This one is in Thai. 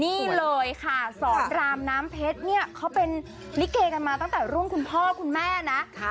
นี่เลยค่ะสอนรามน้ำเพชรเนี่ยเขาเป็นลิเกกันมาตั้งแต่รุ่นคุณพ่อคุณแม่นะ